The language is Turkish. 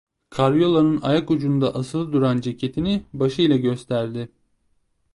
Karyolanın ayakucunda asılı duran ceketini başıyla gösterdi.